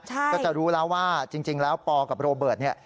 ก็จะรู้แล้วว่าจริงแล้วปอกับโรเบิร์ตเนี่ย